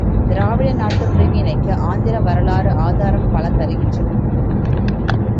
திராவிட நாட்டுப் பிரிவினைக்கு ஆந்திர வரலாறு ஆதாரம் பல தருகின்றது.